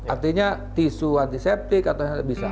artinya tisu antiseptik atau yang lainnya bisa